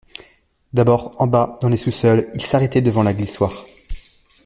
D'abord, en bas, dans les sous-sols, il s'arrêtait devant la glissoire.